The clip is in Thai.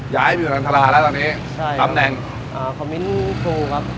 ย้ายไปอันตราแล้วตอนนี้ตำแหน่งคอมมิ้นทูครับ